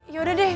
ya udah deh